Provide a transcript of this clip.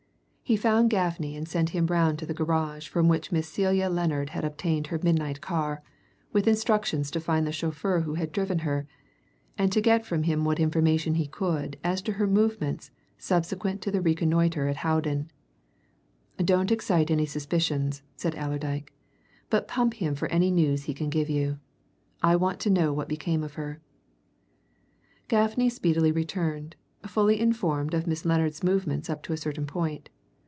He found Gaffney and sent him round to the garage from which Miss Celia Lennard had obtained her midnight car, with instructions to find the chauffeur who had driven her, and to get from him what information he could as to her movements subsequent to the rencontre at Howden. "Don't excite his suspicions," said Allerdyke, "but pump him for any news he can give you. I want to know what became of her." Gaffney speedily returned, fully informed of Miss Lennard's movements up to a certain point.